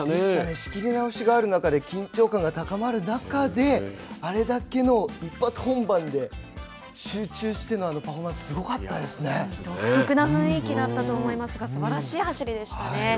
仕切り直しがある中で緊張感が高まる中であれだけの一発本番で集中してのあのパフォーマンスは独特な雰囲気だったと思いますがすばらしい走りでしたね。